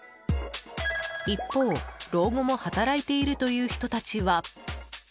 一方、老後も働いているという人たちは。